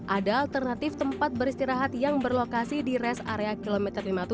ada alternatif tempat beristirahat yang berlokasi di res area kilometer lima puluh tujuh